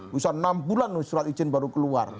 bisa enam bulan surat izin baru keluar